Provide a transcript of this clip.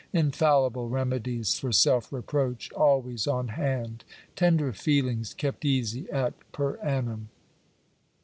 Infallible remedies for self reproach always on hand. Tender feelings kept easy at per annum."